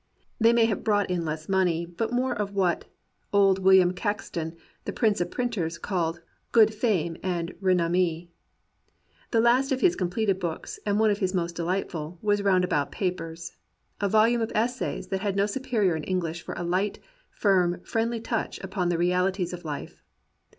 They may have brought in less money, but more of what old William Caxton, the prince of printers, called "good fame and re nommee." The last of his completed books, and one of his most delightful, was Roundabout Papers — a volume of essays that has no superior in English for a light, firm, friendly touch upon the reahties of life.